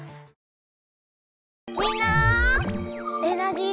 みんなエナジー